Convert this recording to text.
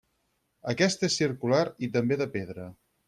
Aquest és circular i també de pedra.